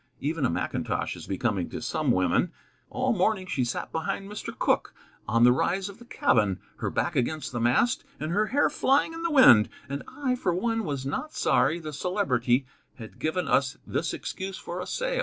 Even a mackintosh is becoming to some women. All morning she sat behind Mr. Cooke, on the rise of the cabin, her back against the mast and her hair flying in the wind, and I, for one, was not sorry the Celebrity had given us this excuse for a sail.